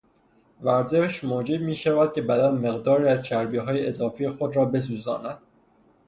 ورزش موجب میشود که بدن مقداری از چربیهای اضافی خود را بسوزاند.